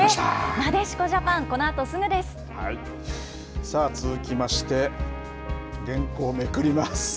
なでしこジャパン、このあとすぐさあ、続きまして、原稿をめくります。